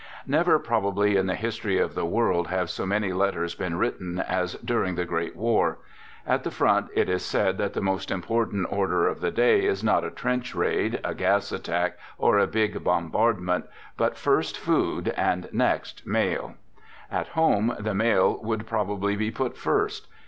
Never probably in the history of the world have so many letters been written as during the great war, At the front, it is said that the most impor tant order of the day is not a trench raid, a gas attack, or a big bombardment, but, first, food, and next the mail. At home, the mail would probably be put first.